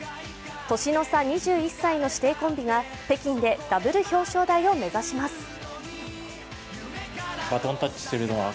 年の差２１歳の師弟コンビが北京でダブル表彰台を目指します。